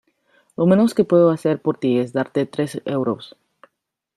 Lo menos que puedo hacer por ti es darte tres euros.